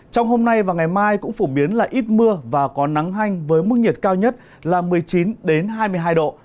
trong hôm nay và ngày mai cũng phổ biến là ít mưa và có nắng hanh với mức nhiệt cao nhất là một mươi chín hai mươi hai độ